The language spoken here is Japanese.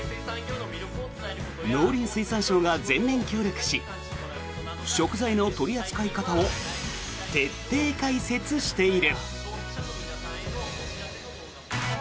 農林水産省が全面協力し食材の取り扱い方を徹底解説している。